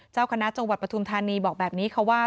เจ้าคณะจุงวัดปทูมธานีบอกแบบนี้ว่า